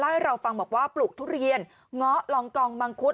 ให้เราฟังบอกว่าปลูกทุเรียนเงาะลองกองมังคุด